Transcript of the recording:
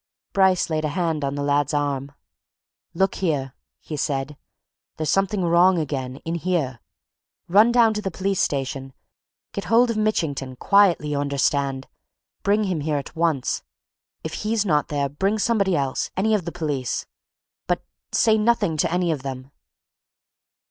Bryce laid a hand on the lad's arm. "Look here!" he said. "There's something wrong again! in here. Run down to the police station get hold of Mitchington quietly, you understand! bring him here at once. If he's not there, bring somebody else any of the police. But say nothing to anybody but them."